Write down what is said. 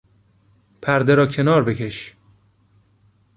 پرده را کنار بکش!